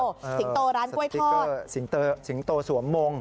สิงโตร้านก๋วสิงโตสวมมง